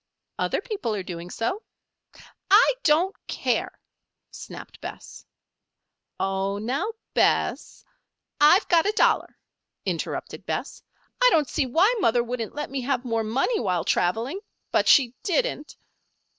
"Other people are doing so." "I don't care," snapped Bess. "Oh, now, Bess " "I've got a dollar," interrupted Bess. "I don't see why mother wouldn't let me have more money while traveling; but she didn't."